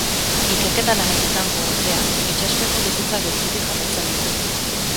Ikerketa lanetik kanpo, ordea, itsaspeko bizitza gertutik jarraitzen du.